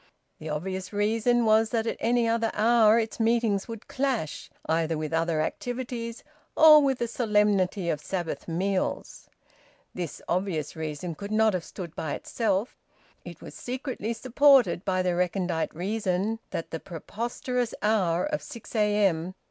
The obvious reason was that at any other hour its meetings would clash either with other activities or with the solemnity of Sabbath meals. This obvious reason could not have stood by itself; it was secretly supported by the recondite reason that the preposterous hour of 6 a.m.